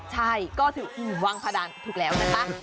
ใช่ก็ถือวังบาดาลถูกแล้วนะครับ